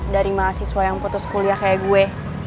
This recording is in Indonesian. dari mahasiswa yang putus kuliah kayak gue